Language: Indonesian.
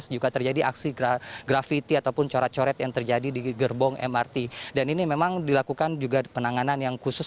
juga terjadi aksi grafiti ataupun coret coret yang terjadi di gerbong mrt dan ini memang dilakukan juga penanganan yang khusus